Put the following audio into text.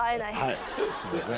はいすいません